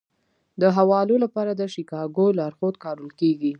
د حوالو لپاره د شیکاګو لارښود کارول کیږي.